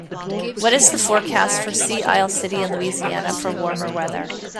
what is the forecast for Sea Isle City in Louisiana for warmer weather